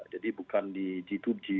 jadi bukan di g dua g